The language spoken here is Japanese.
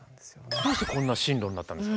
どうしてこんな進路になったんですか？